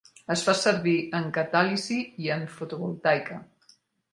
Es fa servir en catàlisi i en fotovoltaica.